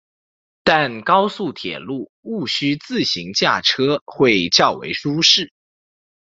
但高速铁路毋须自行驾车会较为舒适。